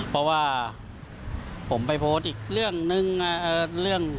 เพราะว่าผมไปโพสต์อีกเรื่องนึงเรื่อง